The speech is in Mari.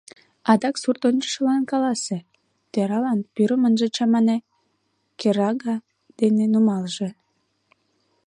Адак сурт ончышылан каласе: тӧралан пӱрым ынже чамане, кӧрага дене нумалже!